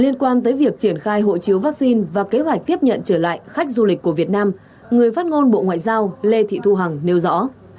liên quan tới việc triển khai hộ chiếu vaccine và kế hoạch tiếp nhận trở lại khách du lịch của việt nam người phát ngôn bộ ngoại giao lê thị thu hằng nêu rõ